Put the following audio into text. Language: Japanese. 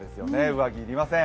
上着、要りません。